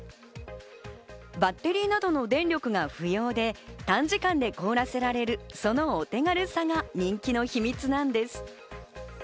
バッテリーなどの電力が不要で、短時間で凍らせられる、そのお手軽さが人気の秘密なんです。